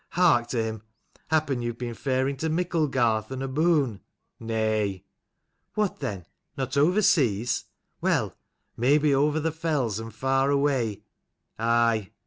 Hark to him. Happen you've been faring to Micklegarth, and aboon?" "Nay." "What then? Not over seas? Well, may be over the fells and far away ?" "Aye."